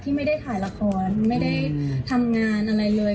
ไม่ได้ถ่ายละครไม่ได้ทำงานอะไรเลย